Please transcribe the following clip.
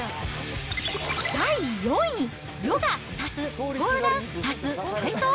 第４位、ヨガ足すポールダンス足す体操？